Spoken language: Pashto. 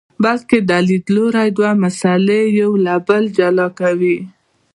بلکې دا لیدلوری دوه مسئلې له یو بل جلا کوي.